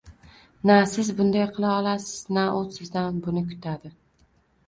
Na siz bunday qila olasiz, na u sizdan buni kutadi.